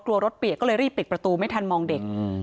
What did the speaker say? รถเปียกก็เลยรีบปิดประตูไม่ทันมองเด็ก